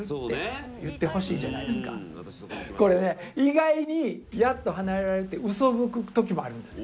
これね意外に「やっと離れられる」ってうそぶく時もあるんですよ。